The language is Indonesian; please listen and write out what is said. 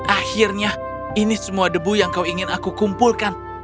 akhirnya ini semua debu yang kau ingin aku kumpulkan